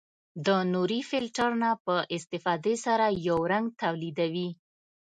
د نوري فلټر نه په استفادې سره یو رنګ تولیدوي.